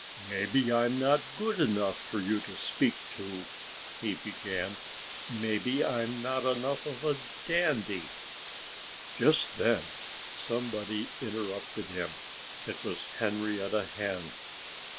"Maybe I'm not good enough for you to speak to," he began. "Maybe I'm not enough of a dandy " Just then somebody interrupted him. It was Henrietta Hen.